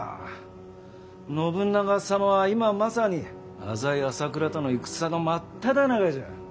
信長様は今まさに浅井朝倉との戦の真っただ中じゃ。